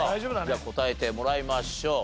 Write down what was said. じゃあ答えてもらいましょう。